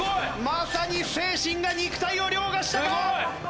まさに精神が肉体を凌駕したか！？